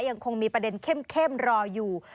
ยังคงมีประเด็นเข้มรออยู่